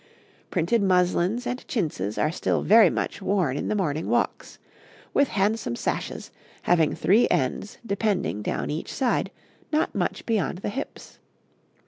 'Printed muslins and chintzes are still very much worn in the morning walks, with handsome sashes, having three ends depending down each side, not much beyond the hips.